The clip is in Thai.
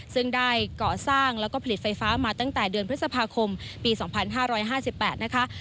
ซึ่งได้ก่อสร้างแล้วก็ผลิตไฟฟ้ามาตั้งแต่เดือนพฤษภาคมปี๒๕๕๘นะคะ